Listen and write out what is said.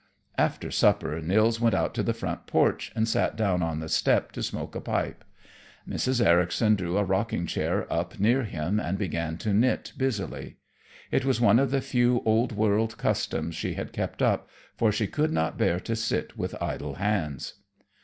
After supper Nils went out to the front porch and sat down on the step to smoke a pipe. Mrs. Ericson drew a rocking chair up near him and began to knit busily. It was one of the few old world customs she had kept up, for she could not bear to sit with idle hands.